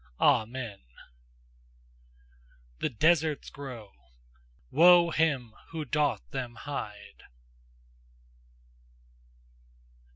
Amen! THE DESERTS GROW: WOE HIM WHO DOTH THEM HIDE!